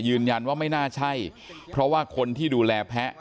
ยืนยันว่าไม่น่าใช่เพราะว่าคนที่ดูแลแพ้